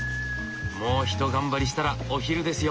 もうひと頑張りしたらお昼ですよ。